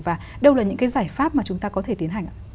và đâu là những cái giải pháp mà chúng ta có thể tiến hành ạ